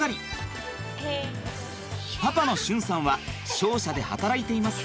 パパの俊さんは商社で働いています。